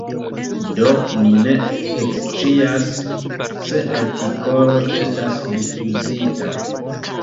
Do mi ne ekscias, se artikolo estas rifuzita.